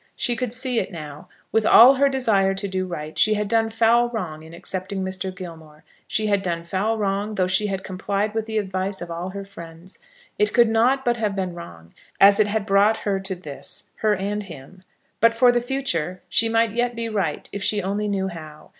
She could see it now. With all her desire to do right, she had done foul wrong in accepting Mr. Gilmore. She had done foul wrong, though she had complied with the advice of all her friends. It could not but have been wrong, as it had brought her to this, her and him. But for the future, she might yet be right, if she only knew how.